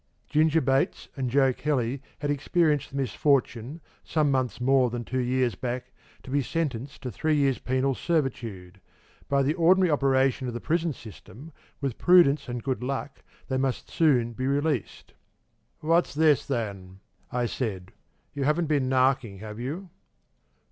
'" Ginger Bates and Joe Kelly had experienced the misfortune, some months more than two years back, to be sentenced to three years' penal servitude. By the ordinary operation of the prison system, with prudence and good luck they must soon be released. "'What's this, then?' I said. 'You haven't been narking, have you?'